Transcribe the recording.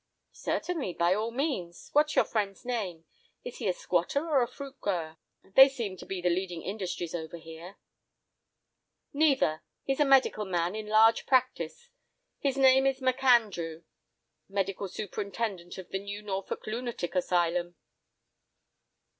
"Certainly, by all means. What's your friend's name? Is he a squatter or a fruit grower? They seem to be the leading industries over here." "Neither; he's a medical man in large practice. His name is Macandrew. Medical superintendent of the new Norfolk lunatic asylum."